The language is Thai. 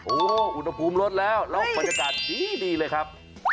โอ้โหอุณหภูมิลดแล้วแล้วบรรยากาศดีเลยครับ